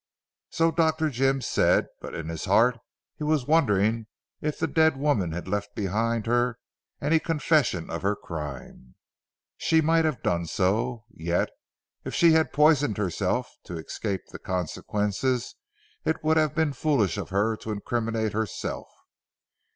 So Dr. Jim said, but in his heart he was wondering if the dead woman had left behind her any confession of her crime. She might have done so. Yet if she had poisoned herself to escape the consequences, it would have been foolish of her to incriminate herself.